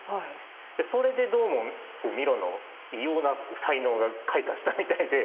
それでどうもミロの異様な才能が開花したみたいで。